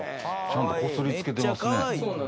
ちゃんとこすりつけてますね。